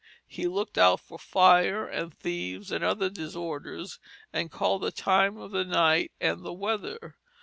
He looked out for fire and thieves and other disorders, and called the time of the night, and the weather.